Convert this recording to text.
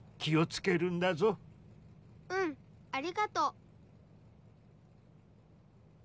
うんありがとう。